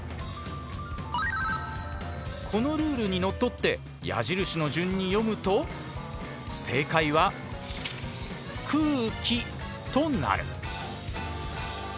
このルールにのっとって矢印の順に読むと正解は「くうき」となる。